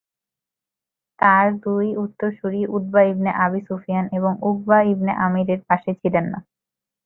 তার দুই উত্তরসূরী উতবা ইবনে আবী সুফিয়ান এবং উকবা ইবনে আমির এর পাশে ছিলেন না।